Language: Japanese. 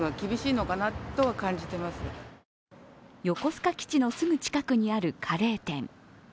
横須賀基地のすぐ近くにあるカレー店。